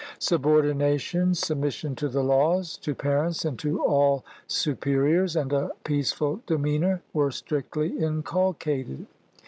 Subordination, submission to the laws, to parents, and to all superiors, and a peaceful demeanor, were strictly inculcated.